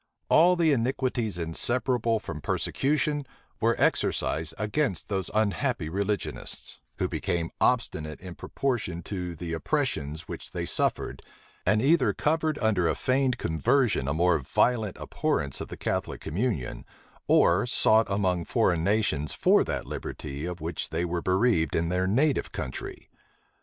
All the iniquities inseparable from persecution were exercised against those unhappy religionists; who became obstinate in proportion to the oppressions which they suffered, and either covered under a feigned conversion a more violent abhorrence of the Catholic communion, or sought among foreign nations for that liberty of which they were bereaved in their native country.